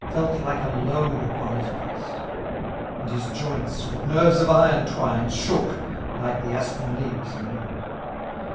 Felt like a load upon his breast ; And his joints, with nerves of iron twined. Shook, like the aspen leaves in wind.